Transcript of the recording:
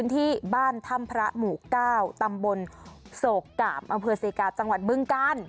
ที่บ้านธัมภรมูก้าวตำบลโศกกาลมะเพือเซกาตจังหวัดเบื้องกาล